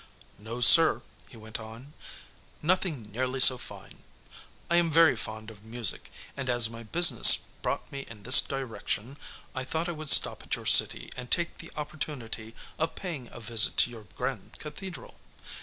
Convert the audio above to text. "No, sir," he went on, "nothing nearly so fine. I am very fond of music, and as my business brought me in this direction, I thought I would stop at your city and take the opportunity of paying a visit to your grand cathedral.